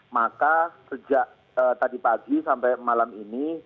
maka sejak tadi pagi sampai malam ini